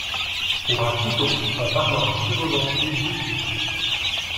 Pour un couteau, on parlera plus volontiers d’étui.